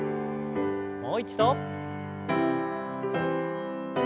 もう一度。